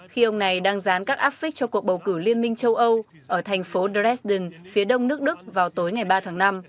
khi ông này đang dán các áp phích cho cuộc bầu cử liên minh châu âu ở thành phố dresden phía đông nước đức vào tối ngày ba tháng năm